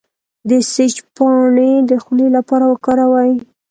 د سیج پاڼې د خولې لپاره وکاروئ